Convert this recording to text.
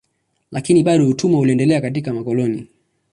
Lakini bado utumwa uliendelea katika makoloni.